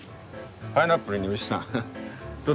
パイナップルに牛さん。